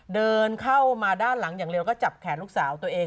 เดินเข้ามาด้านหลังอย่างเร็วก็จับแขนลูกสาวตัวเอง